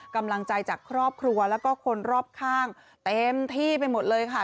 กำลังใจจากครอบครัวแล้วก็คนรอบข้างเต็มที่ไปหมดเลยค่ะ